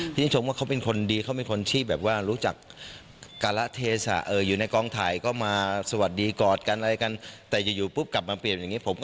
ชื่นชมว่าเป็นคนดีเป็นคนรู้จักเกาะเทษที่อยู่ในก้องต์ไทย